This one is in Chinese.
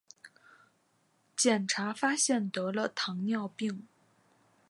检查发现得了糖尿病